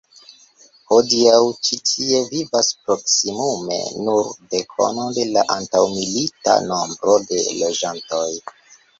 Hodiaŭ ĉi tie vivas proksimume nur dekono de la antaŭmilita nombro de loĝantoj.